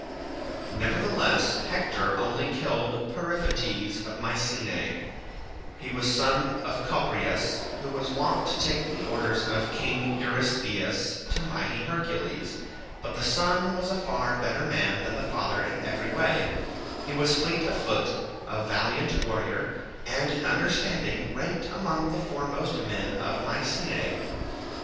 Nevertheless Hector only killed Periphetes of Mycenae; he was son of Copreus who was wont to take the orders of King Eurystheus to mighty Hercules, but the son was a far better man than the father in every way; he was fleet of foot, a valiant warrior, and in understanding ranked among the foremost men of Mycenae.